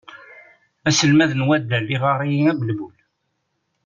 Aselmad n waddal iɣɣar-iyi abelbul.